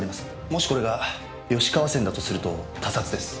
もしこれが吉川線だとすると他殺です。